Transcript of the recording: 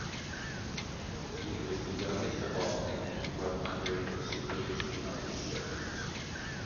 He was the youngest of all, and he grew up under the supervision of his siblings.